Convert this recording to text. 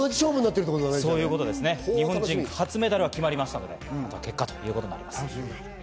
日本人初メダルは決まりましたので、あとは結果ということになります。